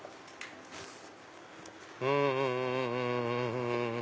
うん。